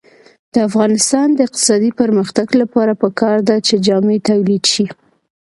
د افغانستان د اقتصادي پرمختګ لپاره پکار ده چې جامې تولید شي.